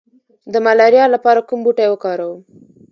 د ملاریا لپاره کوم بوټی وکاروم؟